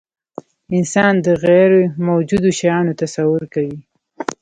انسان د غیرموجودو شیانو تصور کوي.